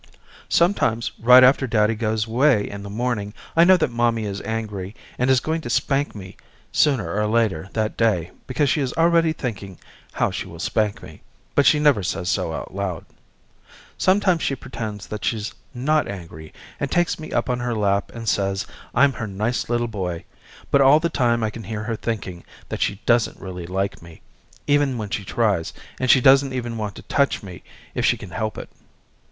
Sometimes right after daddy goes away in the morning I know that mommy is angry and is going to spank me sooner or later that day because she is already thinking how she will spank me, but she never says so out loud. Sometimes she pretends that she's not angry and takes me up on her lap and says I'm her nice little boy but all the time I can hear her thinking that she doesn't really like me even when she tries and she doesn't even want to touch me if she can help it.